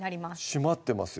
締まってますよ